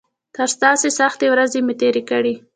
تر تاسو سختې ورځې مې تېرې کړي.